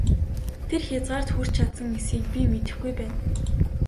Тэр хязгаарт хүрч чадсан эсэхийг би мэдэхгүй байна!